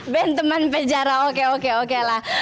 band teman penjara oke oke oke lah